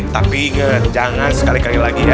tapi ingat jangan sekali kali lagi ya